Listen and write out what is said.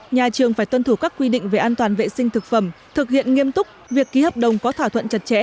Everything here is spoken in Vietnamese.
nhà trường phải tuân thủ các quy định về an toàn vệ sinh thực phẩm thực hiện nghiêm túc việc ký hợp đồng có thỏa thuận chặt chẽ